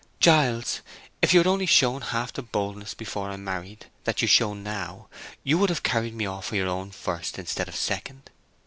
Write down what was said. "Giles, if you had only shown half the boldness before I married that you show now, you would have carried me off for your own first instead of second.